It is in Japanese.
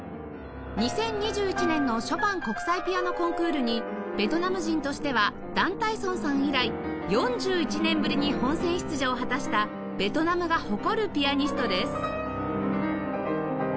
２０２１年のショパン国際ピアノコンクールにベトナム人としてはダン・タイ・ソンさん以来４１年ぶりに本選出場を果たしたベトナムが誇るピアニストです